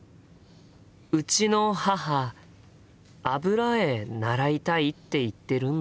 うちの母油絵習いたいって言ってるんだよね。